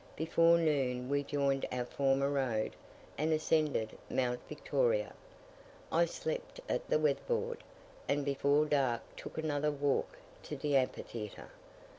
Before noon we joined our former road, and ascended Mount Victoria. I slept at the Weatherboard, and before dark took another walk to the amphitheatre.